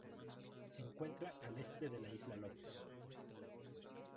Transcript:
Se encuentra al este de la Isla López.